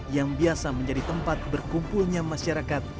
yang biasa menjadi tempat berkumpulnya masyarakat